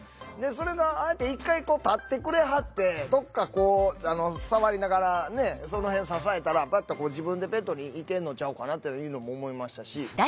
それがああやって一回立ってくれはってどっかこう触りながらねその辺支えたら自分でベッドに行けんのちゃうかなというのも思いましたし。